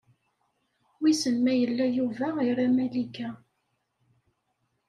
Wissen ma yella Yuba ira Malika.